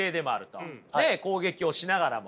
ねえ攻撃をしながらも。